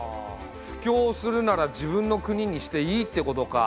布教するなら自分の国にしていいってことか。